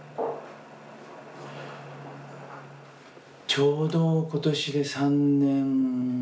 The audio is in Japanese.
ちょうど今年で３年。